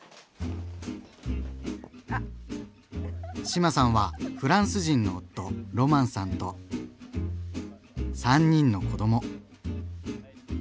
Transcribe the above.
志麻さんはフランス人の夫ロマンさんと３人の子ども。